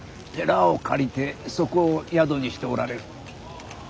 寺を借りてそこを宿にしておられる。